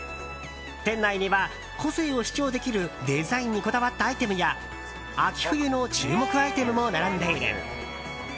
店内には個性を主張できるデザインにこだわったアイテムや秋冬の注目アイテムも並んでいる。